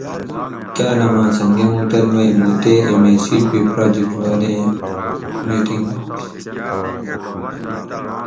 کالامہ سنگھم ھوٹل مئ موں تے ایم اے سی پی پراجیکٹ والا ایٔں میٹںگ آش